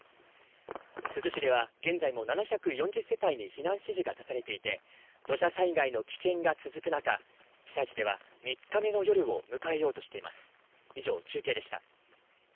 珠洲市では現在も７４０世帯に避難指示が出されていて土砂災害の危険が続く中、被災地では３日目の夜を迎えようとしています